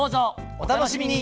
お楽しみに！